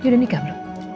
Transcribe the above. dia udah nikah belum